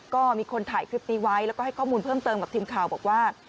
ก็มีคนถ่ายคลิปนี้ไว้แล้วก็ให้ข้อมูลเพิ่มเติมกับทีมข่าวบอกว่า